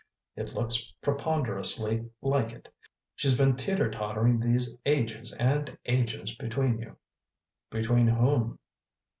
"It looks preponderously like it. She's been teetertottering these AGES and AGES between you " "Between whom?"